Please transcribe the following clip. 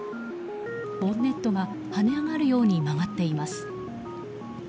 ボンネットが跳ね上がるように曲がっています。